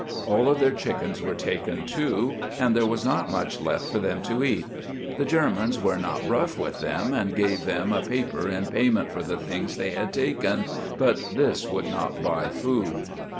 All of their chickens were taken, too, and there was not much left for them to eat. The Germans were not rough with them and gave them a paper in payment for the things they had taken, but this would not buy food.